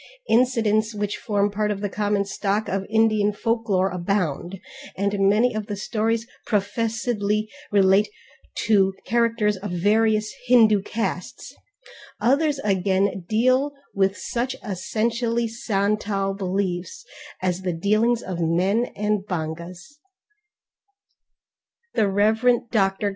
Incidents which form part of the common stock of Indian folklore abound, and many of the stories professedly relate to characters of various Hindu castes, others again deal with such essentially Santal beliefs as the dealings of men and bongas. The Rev. Dr.